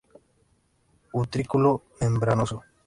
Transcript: Utrículo membranoso.